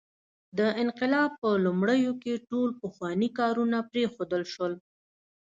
د انقلاب په لومړیو کې ټول پخواني کارونه پرېښودل شول.